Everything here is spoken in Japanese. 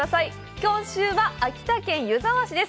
今週は秋田県湯沢市です。